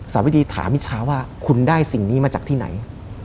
สาวิดีถามมิชาว่าคุณได้สิ่งนี้มาจากที่ไหน